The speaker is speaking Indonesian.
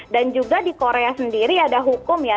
dan juga di korea sendiri ada hukum ya